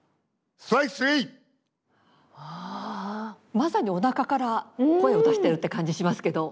まさにおなかから声を出してるって感じしますけど。